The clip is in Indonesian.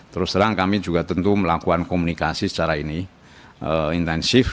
terus terang kami juga tentu melakukan komunikasi secara ini intensif